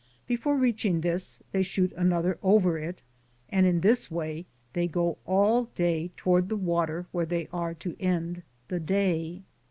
Before reaching this they shoot another over it, and in this way they go all day toward the water where they are to end the day.